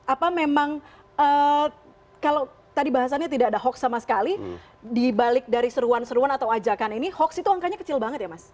apa memang kalau tadi bahasanya tidak ada hoax sama sekali dibalik dari seruan seruan atau ajakan ini hoax itu angkanya kecil banget ya mas